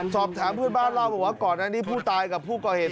สอบถามเพื่อนบ้านเล่าบอกว่าก่อนอันนี้ผู้ตายกับผู้ก่อเหตุ